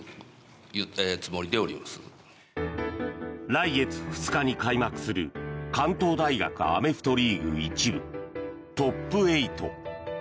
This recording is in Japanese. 来月２日に開幕する関東大学アメフトリーグ１部ＴＯＰ８。